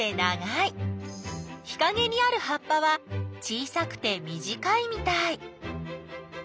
日かげにある葉っぱは小さくて短いみたい。